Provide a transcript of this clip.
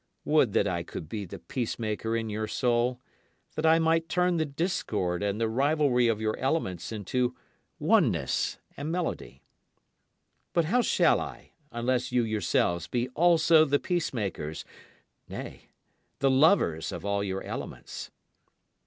Would that I could be the peacemaker in your soul, that I might turn the discord and the rivalry of your elements into oneness and melody. But how shall I, unless you yourselves be also the peacemakers, nay, the lovers of all your elements?